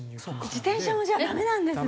自転車もじゃあダメなんですね。